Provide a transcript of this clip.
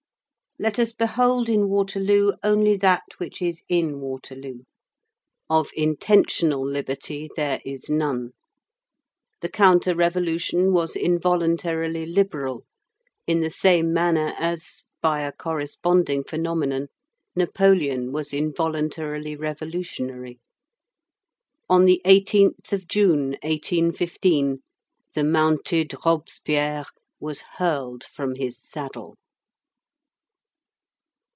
Let us behold in Waterloo only that which is in Waterloo. Of intentional liberty there is none. The counter revolution was involuntarily liberal, in the same manner as, by a corresponding phenomenon, Napoleon was involuntarily revolutionary. On the 18th of June, 1815, the mounted Robespierre was hurled from his saddle.